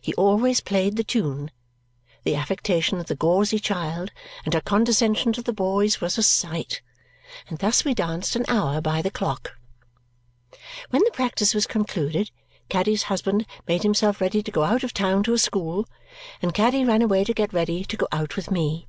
He always played the tune. The affectation of the gauzy child, and her condescension to the boys, was a sight. And thus we danced an hour by the clock. When the practice was concluded, Caddy's husband made himself ready to go out of town to a school, and Caddy ran away to get ready to go out with me.